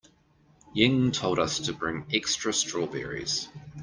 Ying told us to bring extra strawberries.